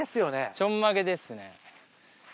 ちょんまげですね。